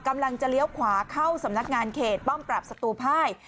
เลี้ยวขวาเข้าสำนักงานเขตป้อมปรับศัตรูภาย